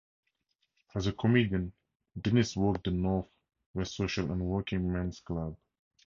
As a comedian Dennis worked the North West social and working men's clubs.